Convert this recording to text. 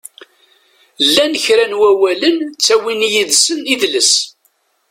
Llan kra n wawalen ttawin yid-sen idles.